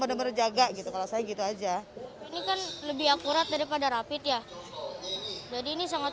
bener bener jaga gitu kalau saya gitu aja ini kan lebih akurat daripada rapid ya jadi ini sangat